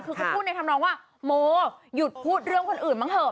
คือเขาพูดในธรรมนองว่าโมหยุดพูดเรื่องคนอื่นบ้างเถอ